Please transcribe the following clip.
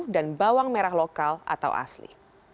dan bawang merah lokal atau asli